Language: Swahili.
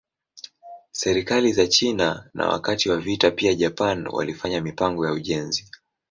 Serikali za China na wakati wa vita pia Japan walifanya mipango ya ujenzi.